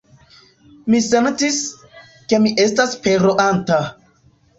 Mi sentis, ke mi estas pereonta.